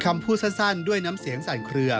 คำพูดสั้นด้วยน้ำเสียงสั่นเคลือ